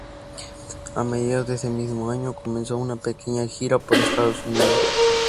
A mediados de ese mismo año comenzó una pequeña gira por Estados Unidos.